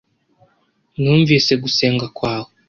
numvise gusenga kwawe